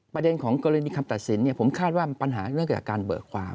ประเด็นของกรณีคำตัดสินเนี่ยผมคาดว่ามันปัญหาเกี่ยวกับการเบิกความ